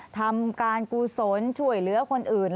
ทำการกุศลช่วยเหลือคนอื่น